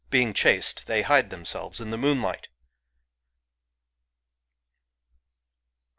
being chased, they hide themselves in the moonlight